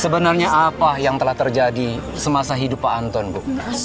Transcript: sebenarnya apa yang telah terjadi semasa hidup pak anton bu